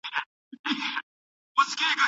څه چې د خپلو اولادونو په کیسه کې لا هم نه وي